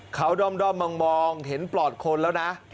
เขาด้อมมองเห็นปลอดคนแล้วนะ